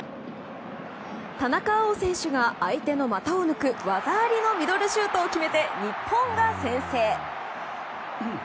田中碧選手が相手の股を抜く技ありのミドルシュートを決めて日本が先制。